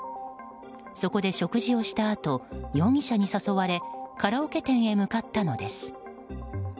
そこで食事をしたあと容疑者に誘われカラオケ店へ向かったのです。